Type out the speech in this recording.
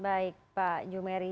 baik pak jumeri